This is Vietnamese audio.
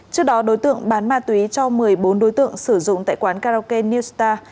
trước đó đối tượng bán ma túy cho một mươi bốn đối tượng sử dụng tại quán karaoke newsar